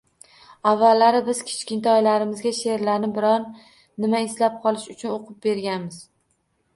Avvallari biz kichkintoyimizga sheʼrlarni biron nima eslab qolishi uchun o‘qib berganmiz.